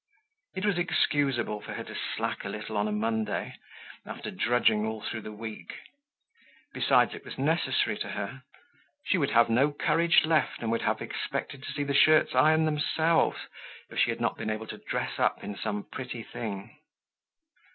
It was excusable for her to slack a little on Monday after drudging all through the week. Besides, it was necessary to her. She would have had no courage left, and would have expected to see the shirts iron themselves, if she had not been able to dress up in some pretty thing.